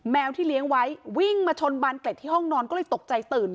ที่เลี้ยงไว้วิ่งมาชนบานเกล็ดที่ห้องนอนก็เลยตกใจตื่น